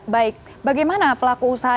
baik bagaimana pelaku usaha